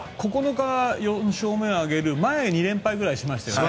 ９日、４勝目を挙げる前２連敗ぐらいしましたよね。